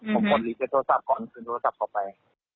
ผมกดหลีกโทรศัพท์ก่อนคืนโทรศัพท์เขาไป